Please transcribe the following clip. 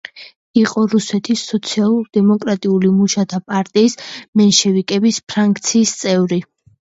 იყო რუსეთის სოციალ-დემოკრატიული მუშათა პარტიის „მენშევიკების ფრაქციის“ წევრი.